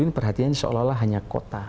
karena perhatiannya seolah olah hanya kota